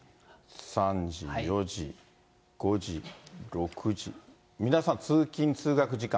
３時、４時、５時、６時、皆さん、通勤・通学時間。